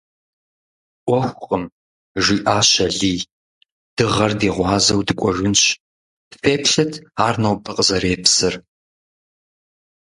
«Ӏуэхукъым,— жиӀащ Алий,— дыгъэр ди гъуазэу дыкӀуэжынщ; феплъыт ар нобэ къызэрепсыр».